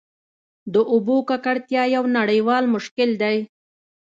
د اوبو ککړتیا یو نړیوال مشکل دی.